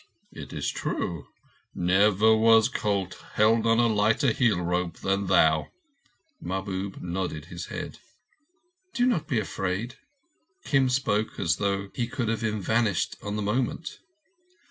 "It is true. Never was colt held on a lighter heel rope than thou." Mahbub nodded his head. "Do not be afraid." Kim spoke as though he could have vanished on the moment.